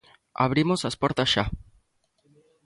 Abrimos as portas xa.